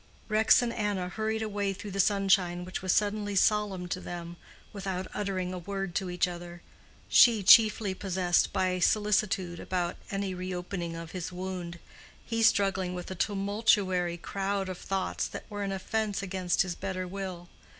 Rex and Anna hurried away through the sunshine which was suddenly solemn to them, without uttering a word to each other: she chiefly possessed by solicitude about any reopening of his wound, he struggling with a tumultuary crowd of thoughts that were an offence against his better will.